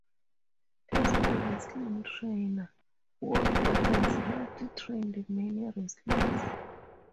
As a wrestling trainer Wolfe has helped trained many wrestlers.